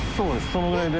そのぐらいで。